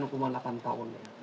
hukuman delapan tahun